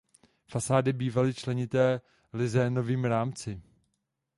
Fasády bývaly členěné lizénovými rámci.